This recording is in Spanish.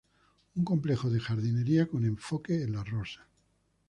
Un complejo de jardinería con enfoque en las rosas.